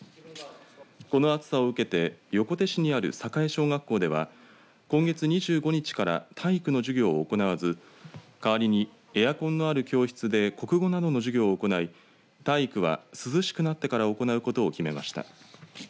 この暑さを受けて横手市にある栄小学校では今月２５日から体育の授業を行わず代わりにエアコンのある教室で国語などの授業を行い体育は涼しくなってから行うことを決めました。